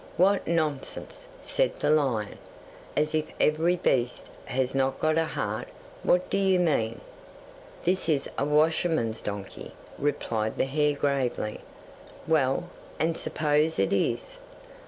'"What nonsense!" said the lion. "As if every beast had not got a heart. What do you mean?" '"This is a washerman's donkey," replied the hare gravely. '"Well, and suppose it is?"